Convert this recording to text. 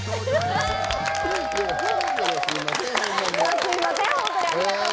すいません。